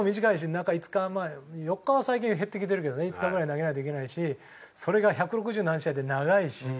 中５日４日は最近減ってきてるけどね５日ぐらいで投げないといけないしそれが１６０何試合って長いし。